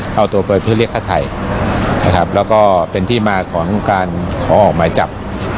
เอาตัวไปเพื่อเรียกฆ่าไทยนะครับแล้วก็เป็นที่มาของการขอออกหมายจับ